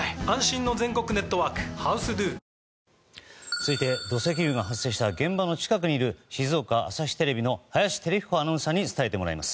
続いて、土石流が発生した現場の近くにいる静岡朝日テレビの林輝彦アナウンサーに伝えてもらいます。